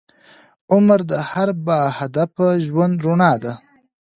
عمر د هر باهدفه ژوند رڼا ده.